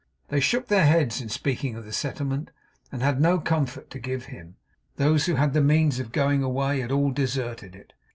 They shook their heads in speaking of the settlement, and had no comfort to give him. Those who had the means of going away had all deserted it.